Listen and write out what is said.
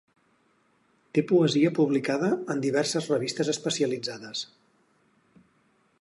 Té poesia publicada en diverses revistes especialitzades.